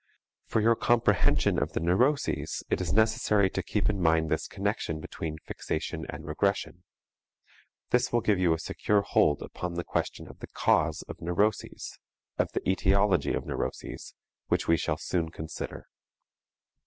For your comprehension of the neuroses it is necessary to keep in mind this connection between fixation and regression. This will give you a secure hold upon the question of the cause of neuroses of the etiology of neuroses which we shall soon consider.